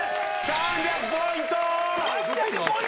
３００ポイント！？